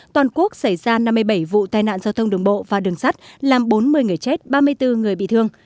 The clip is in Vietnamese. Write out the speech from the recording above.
toàn quốc xảy ra năm mươi bảy vụ tai nạn giao thông đường bộ và đường sắt làm bốn mươi người chết ba mươi bốn người bị thương